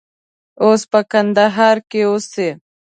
اوس په کندهار کې اوسي.